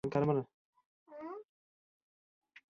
ډاکټر صېب زما ښځېنه ناروغی نامنظم ده